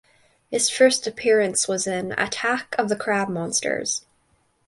His first appearance was in "Attack of the Crab Monsters".